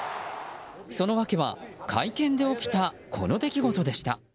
その訳は、会見で起きたこの出来事でした。